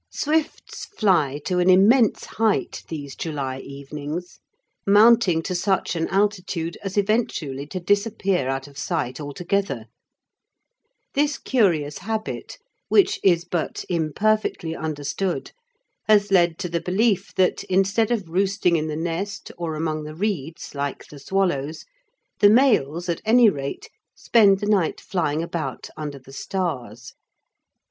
Swifts fly to an immense height these July evenings, mounting to such an altitude as eventually to disappear out of sight altogether. This curious habit, which is but imperfectly understood, has led to the belief that, instead of roosting in the nest or among the reeds like the swallows, the males, at any rate, spend the night flying about under the stars.